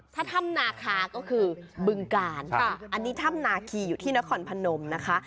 ถ้าถ้ำนาคาก็คือบึงกาลอันนี้ถ้ำนาคีอยู่ที่นครพนมนะคะ